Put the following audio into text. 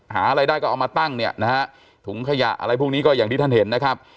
หาอะไรได้ก็เอามาตั้งเนี่ยนะฮะถุงขยะอะไรพวกนี้ก็อย่างที่ท่านเห็นนะครับ